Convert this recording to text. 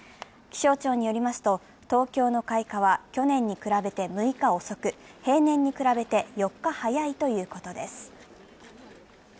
気象庁によりますと東京の開花は去年に比べて６日遅く、平年に比べて４日早いということです。